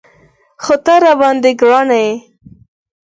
خو ته راباندې ګران یې.